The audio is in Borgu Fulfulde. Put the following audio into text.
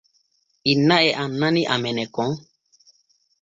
Inna e annani amene kon.